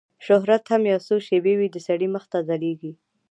شهرت هم یو څو شېبې وي د سړي مخ ته ځلیږي